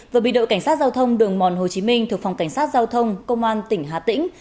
vừa bị đội cảnh sát giao thông đường mòn hồ chí minh thuộc phòng cảnh sát giao thông công an tỉnh hà tĩnh